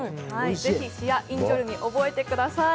ぜひシアッインジョルミ覚えてください。